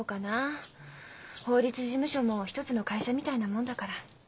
法律事務所も一つの会社みたいなもんだから。